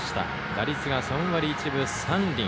打率３割１分３厘。